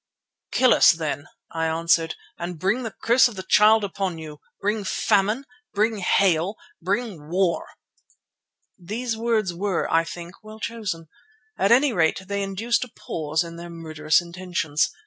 "Kill us then," I answered, "and bring the curse of the Child upon you. Bring famine, bring hail, bring war!" These words were, I think, well chosen; at any rate they induced a pause in their murderous intentions.